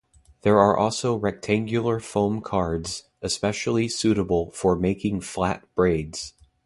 There are also rectangular foam cards, especially suitable for making flat braids.